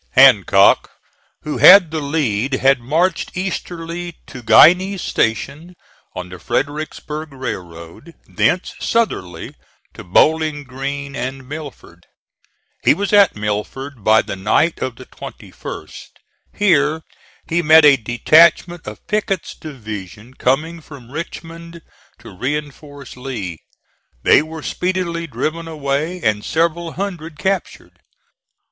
Hancock who had the lead had marched easterly to Guiney's Station, on the Fredericksburg Railroad, thence southerly to Bowling Green and Milford. He was at Milford by the night of the 21st. Here he met a detachment of Pickett's division coming from Richmond to reinforce Lee. They were speedily driven away, and several hundred captured.